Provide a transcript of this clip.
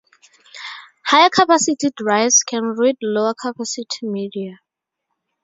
Higher-capacity drives can read lower-capacity media.